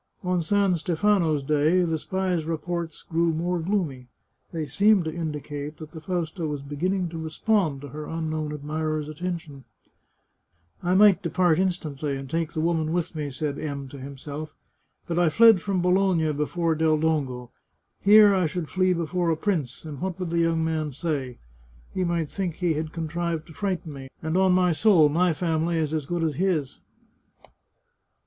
On San Stefano's Day the spies' reports grew more gloomy ; they seemed to indicate that the Fausta was begin ning to respond to her unknown admirer's attentions. " I might depart instantly, and take the woman with me," said M to himself, " but I fled from Bologna before Del Dongo. Here I should flee before a prince, and what would the young man say? He might think he had contrived to frighten me, and on my soul, my family is as good as his